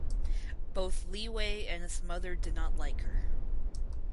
Both Li Wei and his mother did not like her.